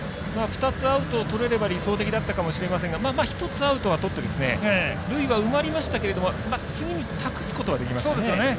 ２つアウトをとれれば理想的だったかもしれませんが１つアウトをとって塁は埋まりましたけれども次に託すことはできましたね。